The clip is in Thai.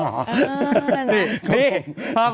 อ๋อแน่นอน